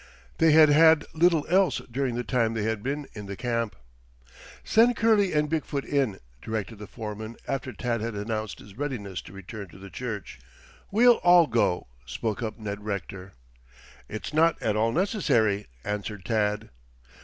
They had had little else during the time they had been in the camp. "Send Curley and Big foot in," directed the foreman after Tad had announced his readiness to return to the church. "We'll all go," spoke up Ned Rector. "It's not at all necessary," answered Tad.